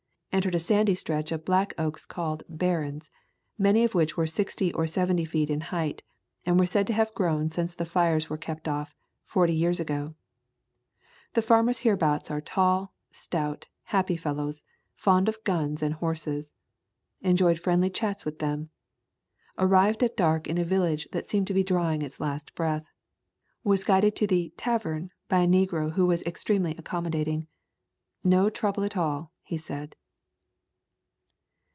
Entered a sandy stretch of black oak called "Barrens," many of which were sixty or seventy feet in height, and are said to have grown since the fires were kept off, forty years ago. The farm ers hereabouts are tall, stout, happy fellows, fond of guns and horses. Enjoyed friendly chats with them. Arrived at dark in a village that seemed to be drawing its last breath. Was guided to the "tavern" by a negro who was ex tremely accommodating. "No trouble at all," he said.